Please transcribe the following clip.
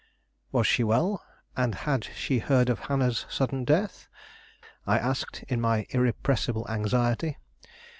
"Was she well; and had she heard of Hannah's sudden death?" I asked, in my irrepressible anxiety.